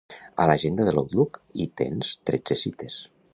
A l'agenda de l'Outlook, hi tens tretze cites.